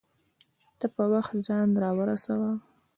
ته په وخت ځان راورسوه